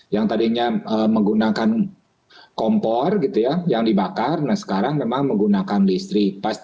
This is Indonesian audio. yang tadinya menggunakan kompor yang dibakar sekarang memang menggunakan listrik